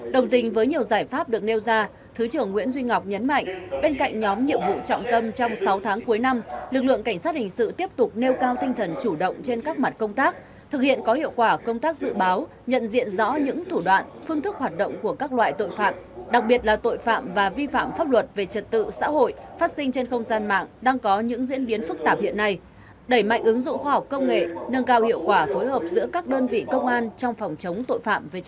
đồng tình với nhiều giải pháp được nêu ra thứ trưởng nguyễn duy ngọc nhấn mạnh bên cạnh nhóm nhiệm vụ trọng tâm trong sáu tháng cuối năm lực lượng cảnh sát hình sự tiếp tục nêu cao tinh thần chủ động trên các mặt công tác thực hiện có hiệu quả công tác dự báo nhận diện rõ những thủ đoạn phương thức hoạt động của các loại tội phạm đặc biệt là tội phạm và vi phạm pháp luật về trật tự xã hội phát sinh trên không gian mạng đang có những diễn biến phức tạp hiện nay đẩy mạnh ứng dụng khoa học công nghệ nâng cao hiệu quả phối hợp gi